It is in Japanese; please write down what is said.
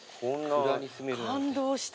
感動した。